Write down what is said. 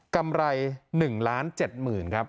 กำไร๑๗๐๐๐ครับ